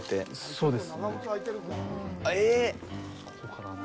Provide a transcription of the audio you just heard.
そうです。